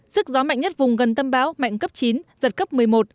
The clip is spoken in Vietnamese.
sức gió mạnh nhất vùng gần tâm bão mạnh cấp chín giật cấp một mươi một